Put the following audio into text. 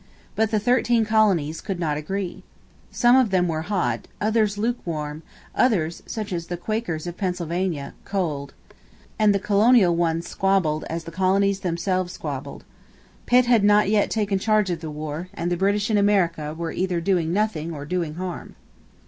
But the thirteen colonies could not agree. Some of them were hot, others lukewarm, others, such as the Quakers of Pennsylvania, cold. Moreover, the British generals were of little use, and the colonial ones squabbled as the colonies themselves squabbled. Pitt had not yet taken charge of the war, and the British in America were either doing nothing or doing harm.